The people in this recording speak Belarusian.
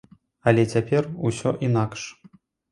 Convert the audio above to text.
Але цяпер усё інакш.